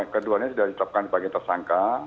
keduanya sudah ditetapkan sebagai tersangka